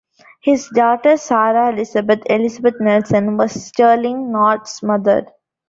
His daughter, Sarah Elizabeth "Elizabeth" Nelson, was Sterling North's mother.